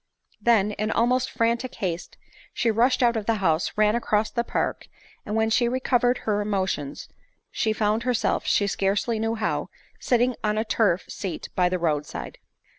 Then, in almost frantic haste, she rushed out of the house, ran across the park, and when she recov ered her emotion she found herself, she scarcely knew how, sitting on a turf seat by the road side.